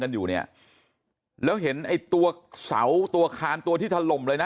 อยู่เนี่ยแล้วเห็นไอ้ตัวเสาตัวคานตัวที่ถล่มเลยนะ